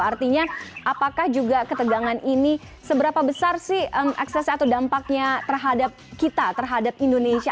artinya apakah juga ketegangan ini seberapa besar sih ekses atau dampaknya terhadap kita terhadap indonesia